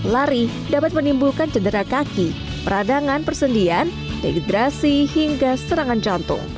lari dapat menimbulkan cedera kaki peradangan persendian dehidrasi hingga serangan jantung